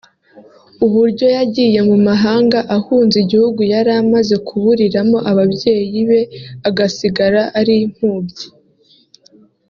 uburyo yagiye mu mahanga ahunze igihugu yari amaze kuburiramo ababyeyi be agasigara ari impubyi